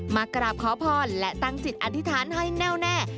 มากราบขอพรและตั้งจิตอธิษฐานให้แน่วแน่